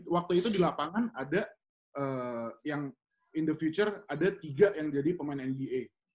waktu itu di lapangan ada yang in the future ada tiga yang jadi pemain nba